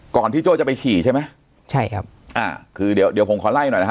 ที่โจ้จะไปฉี่ใช่ไหมใช่ครับอ่าคือเดี๋ยวเดี๋ยวผมขอไล่หน่อยนะฮะ